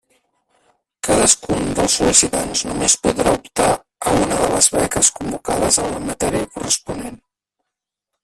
Cadascun dels sol·licitants només podrà optar a una de les beques convocades en la matèria corresponent.